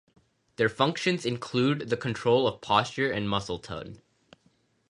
Their functions include the control of posture and muscle tone.